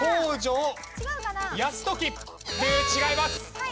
違います。